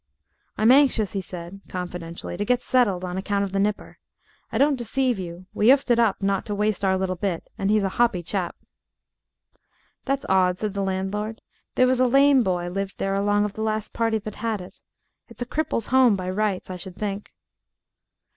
"I'm anxious," he said, confidentially, "to get settled on account of the nipper. I don't deceive you; we 'oofed it up, not to waste our little bit, and he's a hoppy chap." "That's odd," said the landlord; "there was a lame boy lived there along of the last party that had it. It's a cripple's home by rights, I should think."